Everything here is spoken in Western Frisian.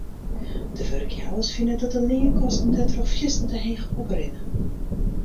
De wurkjouwers fine dat de leankosten dêrtroch fierstente heech oprinne.